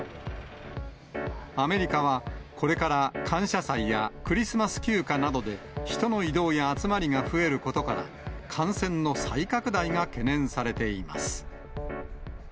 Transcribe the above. アメリカはこれから感謝祭やクリスマス休暇などで、人の移動や集まりが増えることから、感染の再拡大が懸念されています。